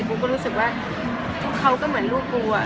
กูก็รู้สึกว่าเขาก็เหมือนลูกกูอ่ะ